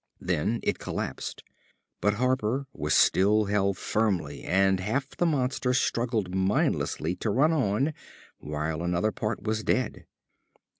Then it collapsed. But Harper was still held firmly and half the monster struggled mindlessly to run on while another part was dead.